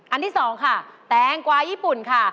อันที่สองแตงก๋วายิปุ่นค่ะ